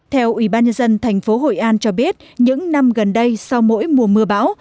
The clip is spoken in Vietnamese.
theo ủy ban nhân dân thành phố hội an cho biết những năm gần đây sau mỗi mùa mưa bão